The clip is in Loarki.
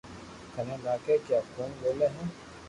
ٿني لاگي ڪي آ ڪوڻ ٻولي ھي